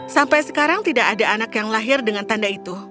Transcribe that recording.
sampai sekarang tidak ada anak yang lahir dengan tanda itu